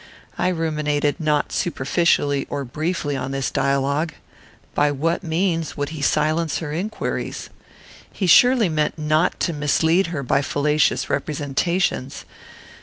I ruminated not superficially or briefly on this dialogue. By what means would he silence her inquiries? He surely meant not to mislead her by fallacious representations.